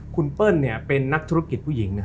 คุณเปิ้ลเป็นนักธุรกิจผู้หญิง